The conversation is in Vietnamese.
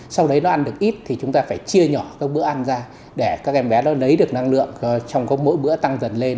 sau đấy nó ăn được ít thì chúng ta phải chia nhỏ bữa ăn ra để các em bé lấy được năng lượng trong mỗi bữa tăng dần lên